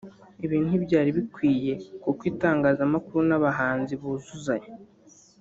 Ibi ntibyari bikwiye kuko itangazamakuru n’abahanzi buzuzanya